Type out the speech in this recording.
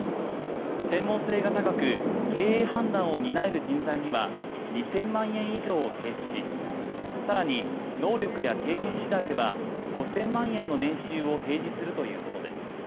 専門性が高く経営判断を担える人材には２０００万円以上を提示し更に、能力や経験次第では５０００万円の年収を提示するということです。